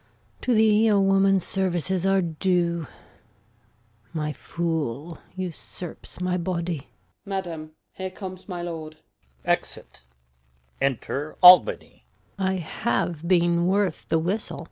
To thee a woman's services are due; My fool usurps my body. Osw. Madam, here comes my lord. Exit. Enter Albany.